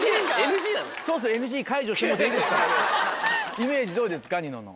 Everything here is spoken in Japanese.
イメージどうですかニノの。